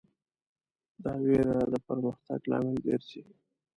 دا وېره د پرمختګ لامل ګرځي.